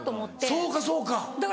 そうかそうか。